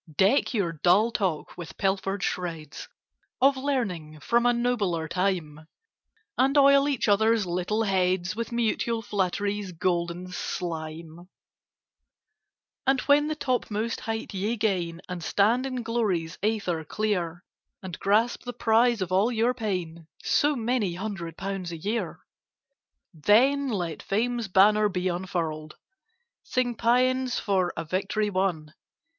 [Picture: Go, throng each other's drawing rooms] Deck your dull talk with pilfered shreds Of learning from a nobler time, And oil each other's little heads With mutual Flattery's golden slime: And when the topmost height ye gain, And stand in Glory's ether clear, And grasp the prize of all your pain— So many hundred pounds a year— Then let Fame's banner be unfurled! Sing Pæans for a victory won!